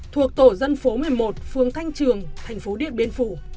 thuộc tổ dân phố một mươi một phương thanh trường tp điện biên